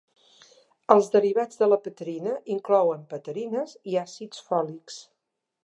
Els derivats de la pterina inclouen pterines i àcids fòlics.